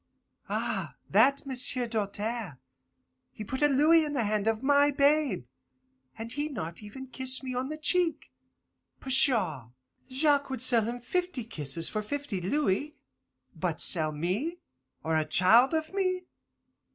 Ah, that M'sieu' Doltaire, he put a louis in the hand of my babe, and he not even kiss me on the cheek. Pshaw! Jacques would sell him fifty kisses for fifty louis. But sell me, or a child of me?